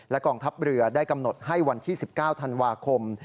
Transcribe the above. กองทัพเรือได้กำหนดให้วันที่๑๙ธันวาคม